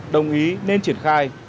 đồng ý nên triển khai